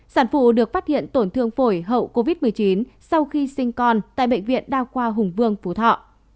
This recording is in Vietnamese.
sản phụ được phát hiện tổn thương phổi hậu covid một mươi chín sau khi sinh con tại bệnh viện đa khoa hùng vương phú thọ